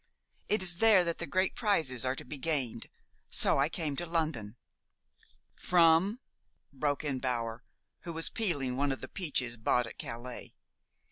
It is there that the great prizes are to be gained; so I came to London." "From " broke in Bower, who was peeling one of the peaches bought at Calais.